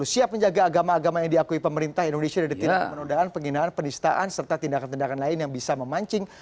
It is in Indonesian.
siap menjaga agama agama yang diakui pemerintah indonesia dari tindakan penundaan penghinaan penistaan serta tindakan tindakan lain yang bisa memancing